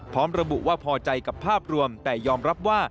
พร้อมระบุว่าพอใจกับภาพรวมแต่ยอมรับว่า